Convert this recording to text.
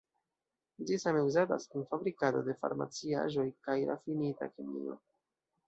Ĝi same uzatas en fabrikado de farmaciaĵoj kaj rafinita kemio.